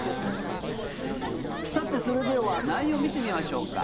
さて、それでは内容を見てみましょうか。